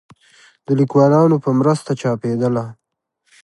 د ليکوالانو په مرسته چاپېدله